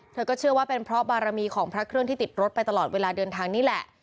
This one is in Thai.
เธอก็เชื่อว่าเป็นเพราะบารมีของพระเครื่องที่ติดรถไปตลอดเวลาเดินทางนี่แหละ